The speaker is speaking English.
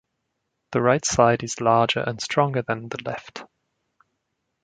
The right side is larger and stronger than the left.